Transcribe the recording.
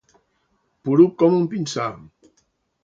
Poruc com un pinsà.